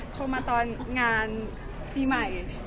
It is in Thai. โทรมาตอนงานปีใหม่